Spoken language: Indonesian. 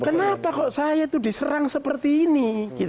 kenapa di ahok saya itu diserang seperti ini